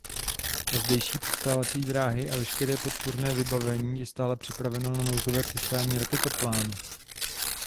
Zdejší přistávací dráhy a veškeré podpůrné vybavení je stále připraveno na nouzové přistání raketoplánu.